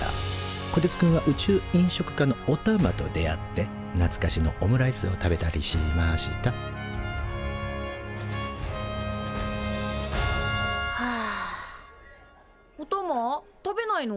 こてつくんは宇宙飲食科のおたまと出会ってなつかしのオムライスを食べたりしましたおたま食べないの？